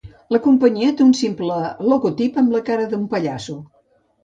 La companyia té un simple logotip amb la cara d'un pallasso.